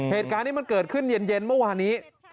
เหตุการณ์นี้มันเกิดขึ้นเย็นเมื่อวานนี้